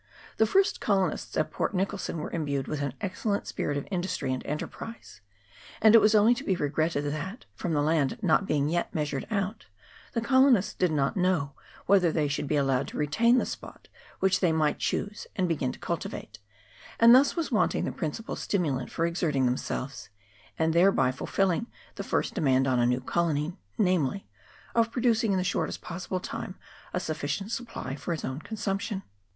The first colonists at Port Nichol son were imbued with an excellent spirit of industry and enterprise ; and it was only to be regretted that, from the land not being yet measured out, the colonists did not know whether they should be allowed to retain the spot which they might choose and begin to cultivate, and thus was wanting the principal stimulant for exerting themselves, and thereby fulfilling the first demand on a new colony, namely, of producing in the shortest possible time a sufficient supply for its own consumption.